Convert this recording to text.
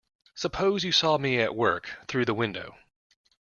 Suppose you saw me at work through the window.